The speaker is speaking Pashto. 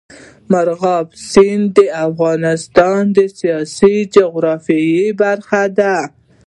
مورغاب سیند د افغانستان د سیاسي جغرافیه برخه ده.